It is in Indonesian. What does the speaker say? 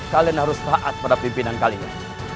kalian harus taat pada pimpinan kalian